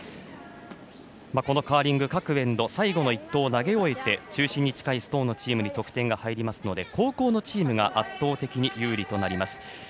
このカーリング、各エンド最後の一投を投げ終えて中心に近いストーンのチームに得点が入りますので後攻のチームが圧倒的に有利となります。